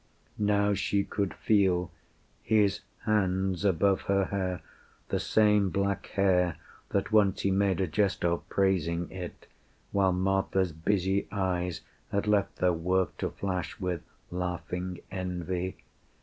..." Now she could feel His hands above her hair the same black hair That once he made a jest of, praising it, While Martha's busy eyes had left their work To flash with laughing envy.